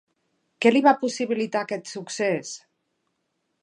Què li va possibilitar aquest succés?